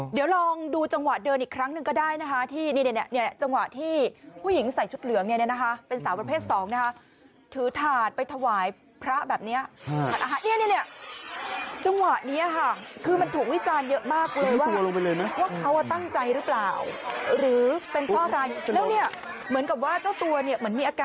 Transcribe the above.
เดี๋ยวลองดูจังหวะเดินอีกครั้งหนึ่งก็ได้นะคะที่นี่เนี่ยจังหวะที่ผู้หญิงใส่ชุดเหลืองเนี่ยนะคะเป็นสาวประเภทสองนะคะถือถาดไปถวายพระแบบนี้เนี่ยจังหวะนี้ค่ะคือมันถูกวิจารณ์เยอะมากเลยว่าเขาตั้งใจหรือเปล่าหรือเป็นเพราะอะไรแล้วเนี่ยเหมือนกับว่าเจ้าตัวเนี่ยเหมือนมีอาการ